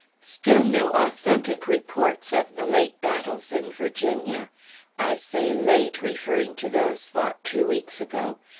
Still no authentic reports of the late battles in Virginia. I say late, referring to those fought two weeks ago.